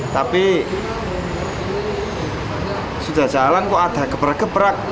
tapi sudah jalan kok ada gebrak gebrak